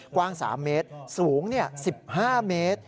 กว้าง๓เมตรสูง๑๕เมตร